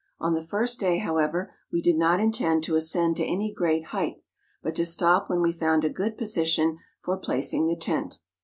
On the first day, however, we did not intend to ascend to any great height, but to stop when we found a good position for placing the tent.